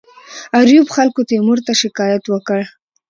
د آریوب خلکو تیمور ته شکایت وکړ.